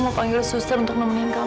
kamu panggil suster untuk nemenin kamu ya